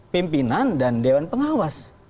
pimpinan dan dewan pengawas